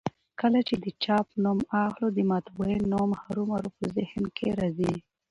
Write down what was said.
کله چي د چاپ نوم اخلو؛ د مطبعې نوم هرومرو په ذهن کي راځي.